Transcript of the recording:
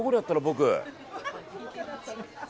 僕。